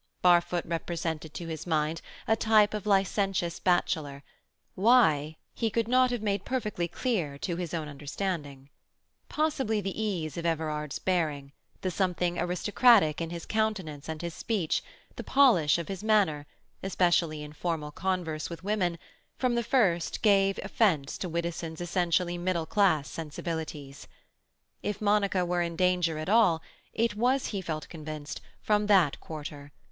Barfoot represented to his mind a type of licentious bachelor; why, he could not have made perfectly clear to his own understanding. Possibly the ease of Everard's bearing, the something aristocratic in his countenance and his speech, the polish of his manner, especially in formal converse with women, from the first gave offence to Widdowson's essentially middle class sensibilities. If Monica were in danger at all, it was, he felt convinced, from that quarter.